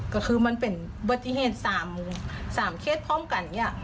ก็คือมันเป็นอุบัติเหตุ๓เคสพร้อมกันเนี่ย